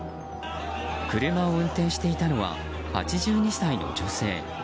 車を運転していたのは８２歳の女性。